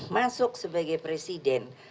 masuk sebagai presiden